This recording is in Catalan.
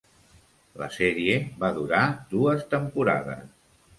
La sèrie va durar dues temporades.